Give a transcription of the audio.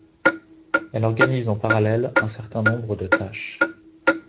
Elle organise en parallèle un certain nombre de tâches.